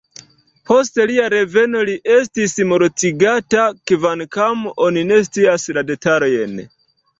Post lia reveno li estis mortigata, kvankam oni ne scias la detalojn.